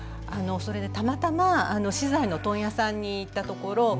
あのそれでたまたま資材の問屋さんに行ったところ